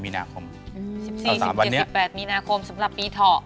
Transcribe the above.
๑๔๑๗๑๘มีนาคมสำหรับปีเทาะ